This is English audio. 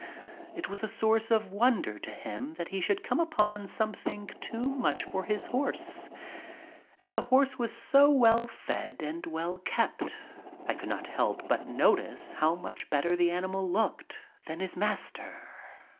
It was a source of wonder to him that he should come upon something too much for his horse. And the horse was so well fed and well kept. I could not help but notice how much better the animal looked than his master.